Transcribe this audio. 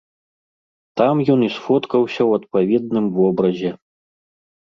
Там ён і сфоткаўся ў адпаведным вобразе.